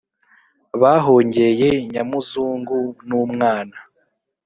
bahongeye nyamuzungu nu mwana.